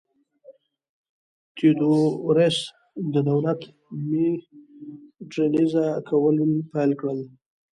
تیودوروس د دولت م وډرنیزه کول پیل کړل.